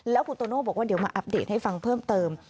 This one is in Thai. แล้วคุณโตโน่บอกว่าเดี๋ยวมาอัปเดตให้ฟังเพิ่มเติม